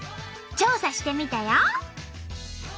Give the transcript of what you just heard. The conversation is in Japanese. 調査してみたよ！